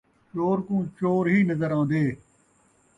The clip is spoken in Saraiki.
چور کوں چور ہی نظر آن٘دے